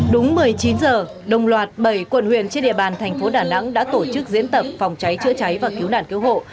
đúng một mươi chín giờ đồng loạt bảy quận huyện trên địa bàn thành phố đà nẵng đã tổ chức diễn tập phòng cháy chữa cháy và cứu nạn cứu hộ